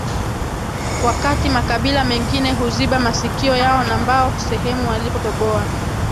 Wakati makabila mengine huziba masikio yao na mbao sehemu walipotoboa